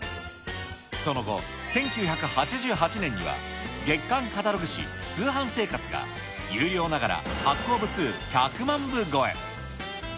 その後、１９８８年には、月間カタログ誌、通販生活が有料ながら、発行部数１００万部超え。